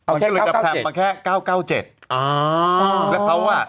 มันก็เลยจะแพร่วมาแค่๙๙๗เพราะว่า